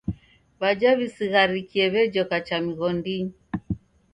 W'aja w'isigharikie w'ejoka cha mighondinyi.